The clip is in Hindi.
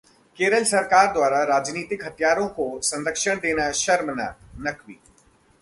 केरल सरकार द्वारा राजनीतिक हत्यारों को संरक्षण देना शर्मनाक: नकवी